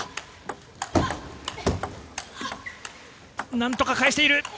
何とか返している！